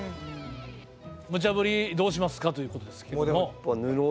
ムチャぶりどうしますかということですけども。